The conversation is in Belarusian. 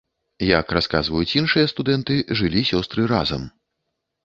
Як расказваюць іншыя студэнты, жылі сёстры разам.